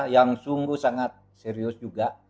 yang sungguh sangat serius juga